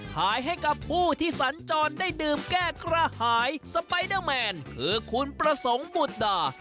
ขายให้กับผู้ที่สัญจรได้ดื่มแก้กระหายสไปเดอร์แมนคือคุณประสงค์บุตรดา